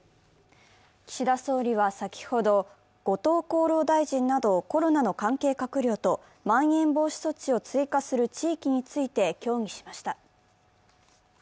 岸田総理は先ほど、後藤厚労大臣などコロナの関係閣僚とまん延防止措置を追加する地域について協議しました。